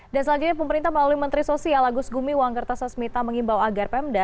dan selanjutnya pemerintah melalui menteri sosial agus gumi wangkerta sasmita mengimbau agar pemda